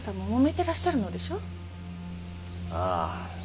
ああ。